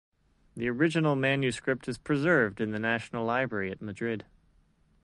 The original manuscript is preserved in the National Library at Madrid.